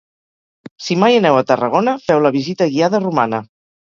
Si mai aneu a Tarragona, feu la visita guiada romana.